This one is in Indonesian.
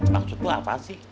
maksudnya apa sih